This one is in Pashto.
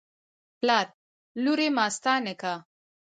پلار: لورې ماستا نکاح